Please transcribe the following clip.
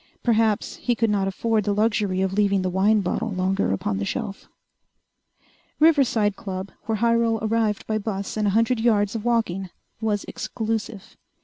Perhaps he could not afford the luxury of leaving the wine bottle longer upon the shelf.... Riverside Club, where Hyrel arrived by bus and a hundred yards of walking, was exclusive.